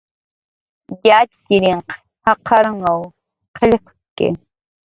Yatxchiriq jaqarunw qillqt'ki